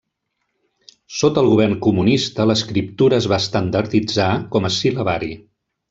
Sota el govern comunista, l'escriptura es va estandarditzar com a sil·labari.